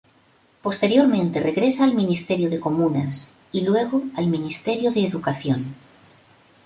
Posteriormente regresa al Ministerio de Comunas y luego al Ministerio de Educación.